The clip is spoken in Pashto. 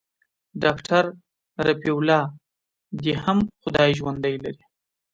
ډاکتر رفيع الله دې هم خداى ژوندى لري.